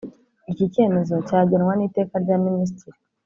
Iki cyemezo cyagenwa n’Iteka rya Minisitiri.